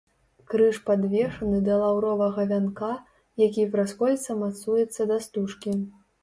Крыж падвешаны да лаўровага вянка, які праз кольца мацуецца да стужкі.